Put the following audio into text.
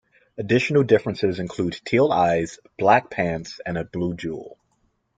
Additional differences include teal eyes, black pants, and a blue jewel.